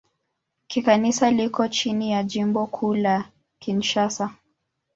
Kikanisa liko chini ya Jimbo Kuu la Kinshasa.